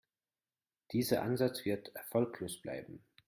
Dieser Ansatz wird erfolglos bleiben.